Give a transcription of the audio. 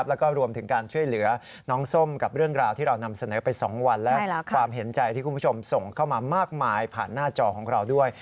แล้วก็รวมถึงการช่วยเหลือน้องส้มกับเรื่องราวที่เรานำเสนอไป๒วันและความเห็นใจที่คุณผู้ชมส่งเข้ามามากมายผ่านหน้าจอของเราด้วย